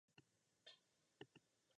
デラウェア州の州都はドーバーである